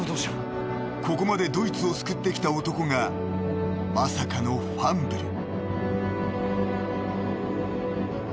［ここまでドイツを救ってきた男がまさかのファンブル］